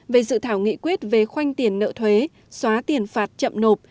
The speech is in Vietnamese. về dự thảo nghị quyết về khoanh tiền nợ thuế xóa tiền phạt chậm nộp